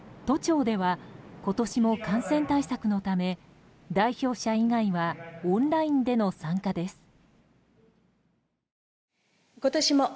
都庁では今年も感染対策のため代表者以外はオンラインでの参加です。